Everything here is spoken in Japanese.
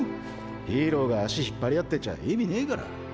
ヒーローが足引っ張り合ってちゃ意味ねぇから。